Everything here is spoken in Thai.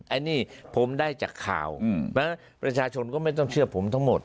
ไอ้นี่ผมได้จากข่าวประชาชนก็ไม่ต้องเชื่อผมทั้งหมด